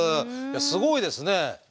すごいですね。